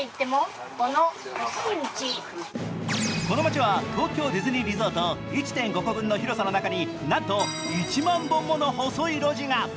この街は東京ディズニーリゾート１．５個分の広さの中になんと１万本もの細い路地が。